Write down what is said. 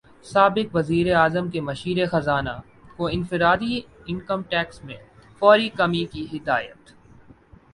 سابق وزیراعظم کی مشیر خزانہ کو انفرادی انکم ٹیکس میں فوری کمی کی ہدایت